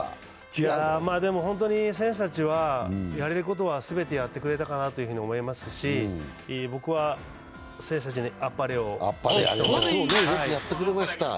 まぁ、本当に選手たちはやれることは全てやってくれたかなと思いますし僕は選手たちにあっぱれを。